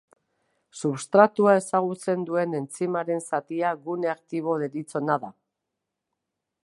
Substratua ezagutzen duen entzimaren zatia gune aktibo deritzona da.